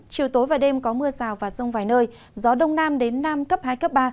chiều tối và đêm có mưa rào và rông vài nơi gió đông nam đến nam cấp hai cấp ba